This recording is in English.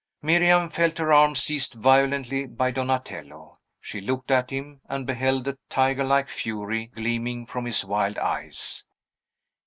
Miriam felt her arm seized violently by Donatello. She looked at him, and beheld a tigerlike fury gleaming from his wild eyes.